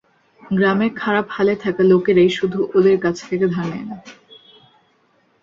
গ্রামের খারাপ হালে থাকা লোকেরাই শুধু ওদের কাছ থেকে ধার নেয় না।